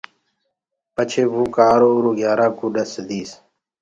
پڇي وو ڪآرو اُرو گھيآرآ ڪوُ ڏس ديس۔